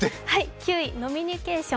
９位、飲みニケーション。